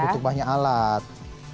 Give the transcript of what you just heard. butuh banyak alat